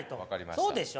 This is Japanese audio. そうでしょ？